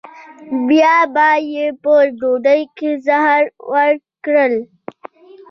بیا به یې په ډوډۍ کې زهر ورکړل.